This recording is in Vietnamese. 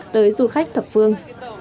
tới du khách thập phương